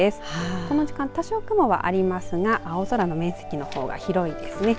この時間多少は雲がありますが青空の面積の方が広いですね。